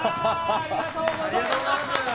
ありがとうございます。